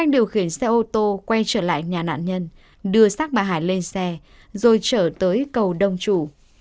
điều khiển xe ô tô quay trở lại nhà nạn nhân đưa xác bà hải lên xe rồi trở tới cầu đông chủ